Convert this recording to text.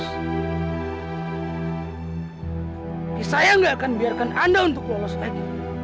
tapi saya tidak akan biarkan anda untuk lulus lagi